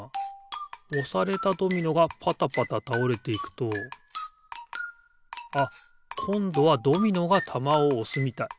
おされたドミノがぱたぱたたおれていくとあっこんどはドミノがたまをおすみたい。